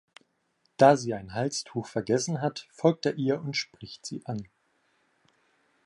Da sie ein Halstuch vergessen hat, folgt er ihr und spricht sie an.